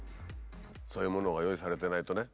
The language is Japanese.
そういうものが用意されてないとね